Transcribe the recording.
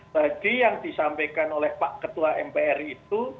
jadi yang disampaikan oleh pak ketua mpr itu